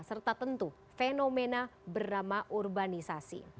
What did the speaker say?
serta tentu fenomena bernama urbanisasi